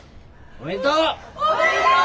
おめでとう！